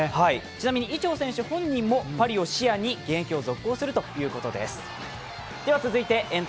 ちなみに伊調選手本人もパリを視野に現役を続行するということです。